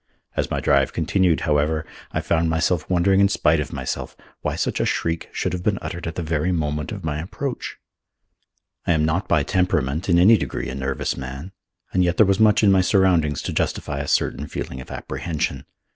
As my drive continued, however I found myself wondering in spite of myself why such a shriek should have been uttered at the very moment of my approach. I am not by temperament in any degree a nervous man, and yet there was much in my surroundings to justify a certain feeling of apprehension.